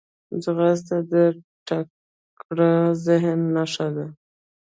ځغاسته د تکړه ذهن نښه ده